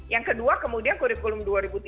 yang kedua kemudian kurikulum dua ribu tiga belas